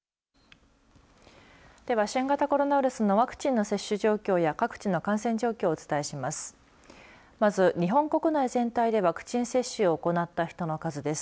では、新型コロナウイルスのワクチンの接種状況や各地の感染状況をお伝えします。